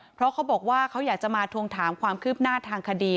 เพราะเขาบอกว่าเขาอยากจะมาทวงถามความคืบหน้าทางคดี